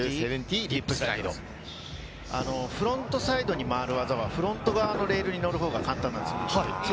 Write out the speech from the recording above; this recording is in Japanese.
フロントサイドに回る技はフロント側にレールに乗る方が簡単なんです。